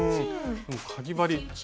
かぎ針